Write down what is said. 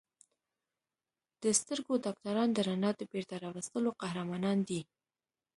د سترګو ډاکټران د رڼا د بېرته راوستلو قهرمانان دي.